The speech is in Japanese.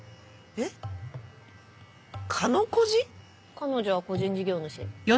『彼女は個人事業主』。